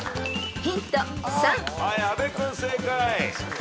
阿部君正解。